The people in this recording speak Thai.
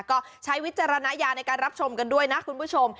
ก็ใช้วิจารณญาณในการรับชมกันด้วยนะคุณผู้ชม